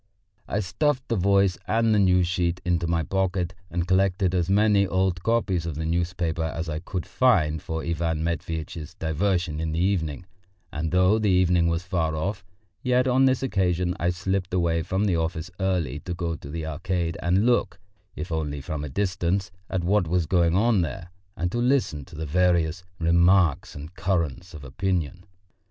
I stuffed the Voice and the News sheet into my pocket and collected as many old copies of the newspapers as I could find for Ivan Matveitch's diversion in the evening, and though the evening was far off, yet on this occasion I slipped away from the office early to go to the Arcade and look, if only from a distance, at what was going on there, and to listen to the various remarks and currents of opinion.